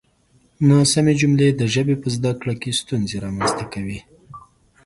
ناسمې جملې د ژبې په زده کړه کې ستونزې رامنځته کوي.